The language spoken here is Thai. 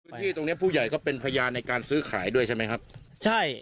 ตรงเนี้ยผู้ใหญ่ก็เป็นพยานในการซื้อขายด้วยใช่ไหมครับใช่